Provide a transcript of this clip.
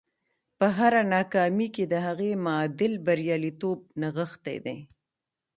په هره ناکامي کې د هغې معادل برياليتوب نغښتی دی.